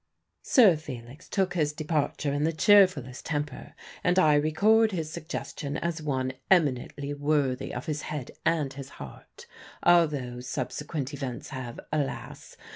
Sir Felix took his departure in the cheerfullest temper, and I record his suggestion as one eminently worthy of his head and his heart, although subsequent events have, alas!